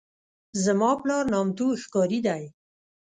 زما پلار نامتو ښکاري دی.